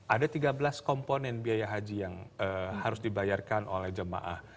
ada tiga belas komponen biaya haji yang harus dibayarkan oleh jemaah